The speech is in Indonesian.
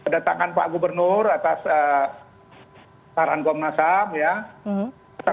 dan pak gubernur atas saran komnas ham ya